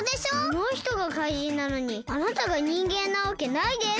あのひとがかいじんなのにあなたがにんげんなわけないです。